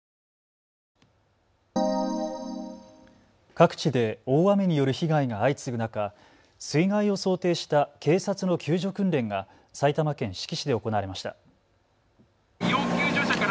各地で大雨による被害が相次ぐ中、水害を想定した警察の救助訓練が埼玉県志木市で行われました。